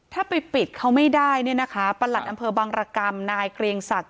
ถ้าไปปิดเขาไม่ได้เนี่ยนะคะประหลัดอำเภอบังรกรรมนายเกรียงศักดิ